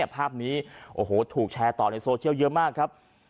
ภาพนี้โอ้โหถูกแชร์ต่อในโซเชียลเยอะมากครับ